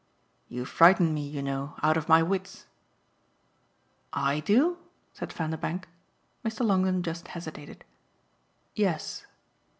"You frighten me, you know, out of my wits." "I do?" said Vanderbank. Mr. Longdon just hesitated. "Yes."